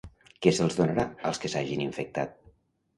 Què se'ls donarà als que s'hagin infectat?